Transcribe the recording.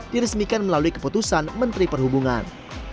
diresmikan melalui keputusan menteri perhubungan